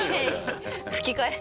吹き替え。